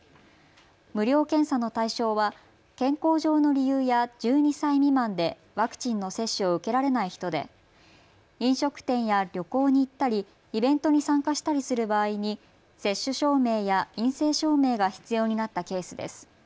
無料検査の対象は健康上の理由や１２歳未満でワクチンの接種を受けられない人で飲食店や旅行に行ったりイベントに参加したりする場合に接種証明や陰性証明が必要になったケースです。